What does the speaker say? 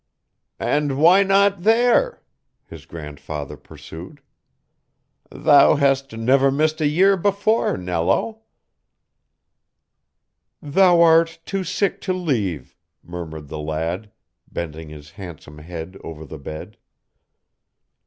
"And why not there?" his grandfather pursued. "Thou hast never missed a year before, Nello." "Thou art too sick to leave," murmured the lad, bending his handsome head over the bed.